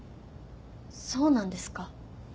そうなんですか？